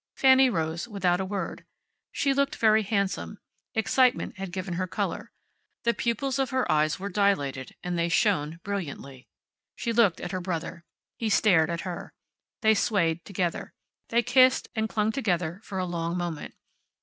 Fanny rose, without a word. She looked very handsome. Excitement had given her color. The pupils of her eyes were dilated and they shone brilliantly. She looked at her brother. He stared at her. They swayed together. They kissed, and clung together for a long moment.